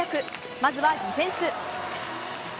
まずはディフェンス。